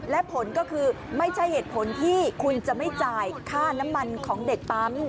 และผลก็คือไม่ใช่เหตุผลที่คุณจะไม่จ่ายค่าน้ำมันของเด็กปั๊ม